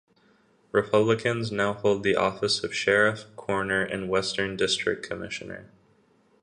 Republicans now hold the office of Sheriff, Coroner, and Western District Commissioner.